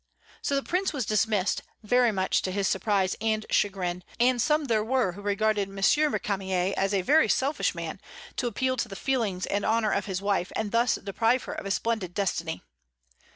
So the Prince was dismissed, very much to his surprise and chagrin; and some there were who regarded M. Récamier as a very selfish man, to appeal to the feelings and honor of his wife, and thus deprive her of a splendid destiny.